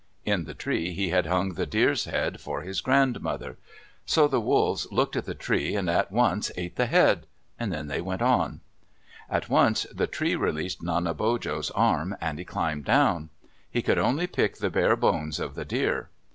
In the tree he had hung the deer's head for his grandmother. So the wolves looked at the tree and at once ate the head. Then they went on. At once the tree released Nanebojo's arm, and he climbed down. He could only pick the bare bones of the deer.